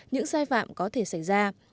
những sai phạm có thể xảy ra